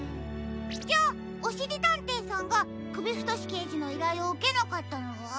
じゃあおしりたんていさんがくびふとしけいじのいらいをうけなかったのは？